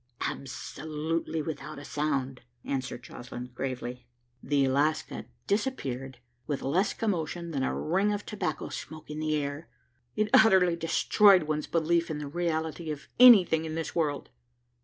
"Absolutely without a sound," answered Joslinn gravely. "The Alaska disappeared with less commotion than a ring of tobacco smoke in the air. It utterly destroyed one's belief in the reality of anything in this world!"